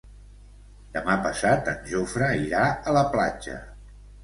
Demà passat en Jofre irà a la platja.